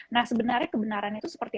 nah sebenarnya kebenarannya itu seperti